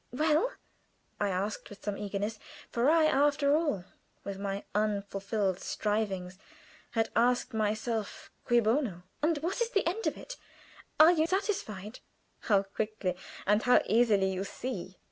"Well?" I asked, with some eagerness; for I, after all my unfulfilled strivings, had asked myself Cui bono? "And what is the end of it? Are you satisfied?" "How quickly and how easily you see!"